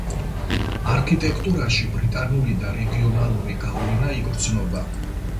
არქიტექტურაში ბრიტანული და რეგიონული გავლენა იგრძნობა.